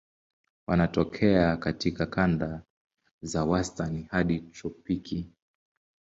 Wanatokea katika kanda za wastani hadi tropiki.